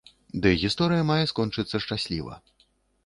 Ды гісторыя мае скончыцца шчасліва.